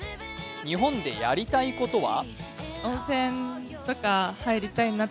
日本でやりたいことは？